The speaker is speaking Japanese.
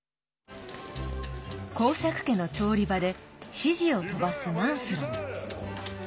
公爵家の調理場で指示を飛ばすマンスロン。